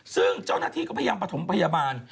ซึ่งเจ้าหน้าที่ก็พยายามประถมพยาบาล